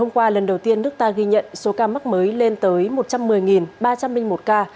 hôm qua lần đầu tiên nước ta ghi nhận số ca mắc mới lên tới một trăm một mươi ba trăm linh một ca